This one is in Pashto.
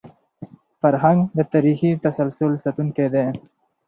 فرهنګ د تاریخي تسلسل ساتونکی دی.